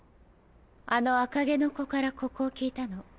あの赤毛の子からここを聞いたの。